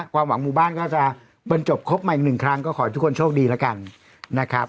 ความหวังหมู่บ้านก็จะบรรจบครบมาอีกหนึ่งครั้งก็ขอให้ทุกคนโชคดีแล้วกันนะครับ